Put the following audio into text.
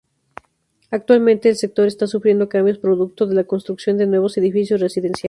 Actualmente el sector está sufriendo cambios producto de la construcción de nuevos edificios residenciales.